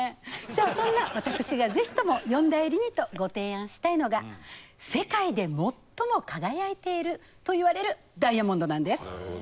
さあそんな私がぜひとも四大入りにとご提案したいのが世界で最も輝いているといわれるダイヤモンドなんです。